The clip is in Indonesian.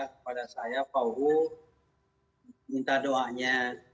kepada saya pak uu minta doanya